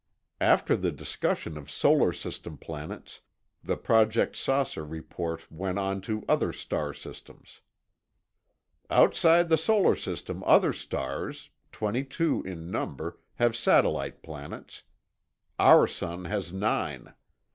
After the discussion of solar system planets, the Project "Saucer" report went on to other star systems: Outside the solar system other stars—22 in number—have satellite planets. Our sun has nine.